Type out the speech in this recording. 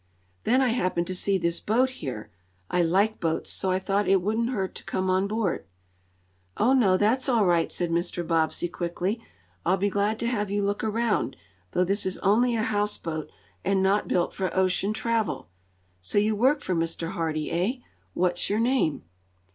"Then I happened to see this boat here. I like boats, so I thought it wouldn't hurt to come on board." "Oh, no, that's all right!" said Mr. Bobbsey quickly. "I'll be glad to have you look around, though this is only a houseboat, and not built for ocean travel. So you work for Mr. Hardee, eh? What's your name?"